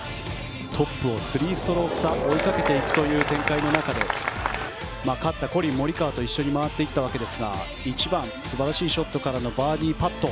トップを３ストローク差追いかけていく展開の中で勝ったコリン・モリカワと一緒に回っていったわけですが１番、素晴らしいショットからのバーディーパット。